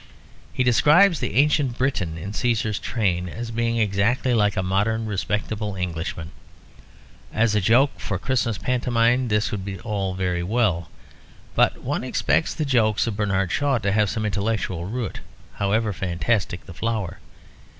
He describes the Ancient Briton in Cæsar's train as being exactly like a modern respectable Englishman. As a joke for a Christmas pantomime this would be all very well; but one expects the jokes of Bernard Shaw to have some intellectual root, however fantastic the flower.